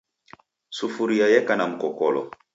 Sufuria yeka na mkokolo.